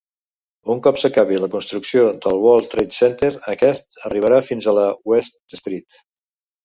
Un cop s'acabi la construcció del World Trade Center, aquest arribarà fins a la West Street.